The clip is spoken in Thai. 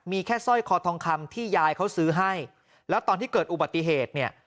มีแค่สร้อยคอทองคำที่ยายเขาซื้อให้แล้วตอนที่เกิดอุบัติเหตุเนี่ย